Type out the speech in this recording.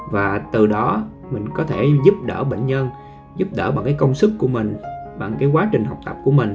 và từ đó mình có thể giúp đỡ bệnh nhân giúp đỡ bằng cái công sức của mình bằng cái quá trình học tập của mình